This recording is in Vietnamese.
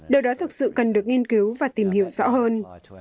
điều đó thực sự cần được nghiên cứu và tìm hiểu rõ hơn